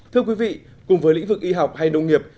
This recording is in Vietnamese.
thưa quý vị cùng với lĩnh vực y học hay nông nghiệp